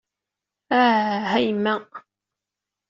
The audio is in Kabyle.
Ah, a yemma!